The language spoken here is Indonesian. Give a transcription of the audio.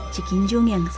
cik hin jung yang dipercaya